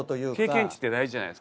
経験値って大事じゃないですか。